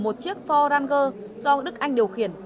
một chiếc ford ranger do đức anh điều khiển